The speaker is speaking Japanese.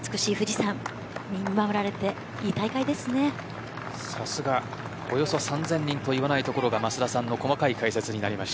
さすが、およそ３０００人と言わないところが増田さんの細かい解説になりました。